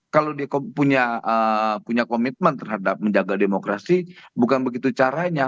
kalau dia punya komitmen terhadap menjaga demokrasi bukan begitu caranya